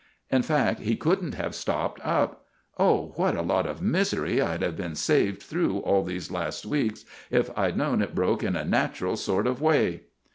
In fact, he couldn't have stopped up. Oh, what a lot of misery I'd have been saved through all these weeks if I'd known it broke in a natural sort of way!"